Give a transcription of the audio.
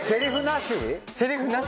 セリフなし？